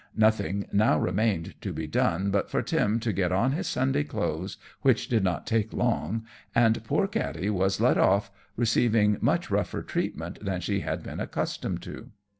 Nothing now remained to be done but for Tim to get on his Sunday clothes, which did not take long, and poor Katty was led off, receiving much rougher treatment than she had been accustomed to.